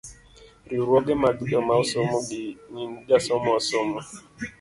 riwruoge mag joma osomo, gi nying joma osomo.